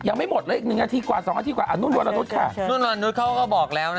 สัพมีหวัดเยอะแม่งเอาไปคือติ๊กไปแล้ว